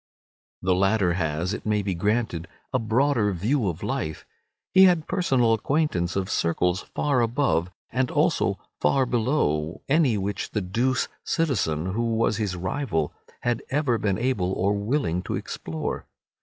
The latter has, it may be granted, a broader view of life. He had personal acquaintance of circles far above, and also far below, any which the douce citizen, who was his rival, had ever been able or willing to explore.